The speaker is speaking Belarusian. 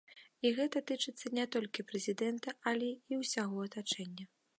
І гэта тычыцца не толькі прэзідэнта, але і ўсяго атачэння.